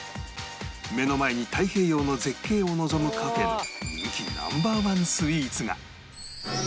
目の前に太平洋の絶景を望むカフェの人気 Ｎｏ．１ スイーツが